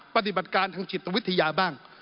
ปฏิบัติการทางจิตวิทยาบ้าง